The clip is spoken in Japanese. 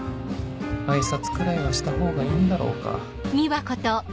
挨拶くらいはした方がいいんだろうか